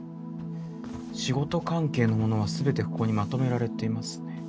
仕事関係のものは全てここにまとめられていますね。